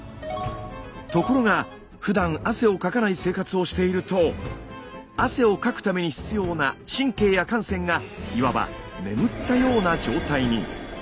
ところがふだん汗をかかない生活をしていると汗をかくために必要な神経や汗腺がいわば眠ったような状態に。